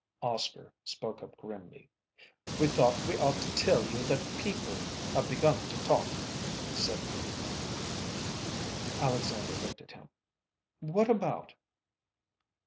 Oscar spoke up grimly. "We thought we ought to tell you that people have begun to talk," he said meaningly. Alexandra looked at him. "What about?"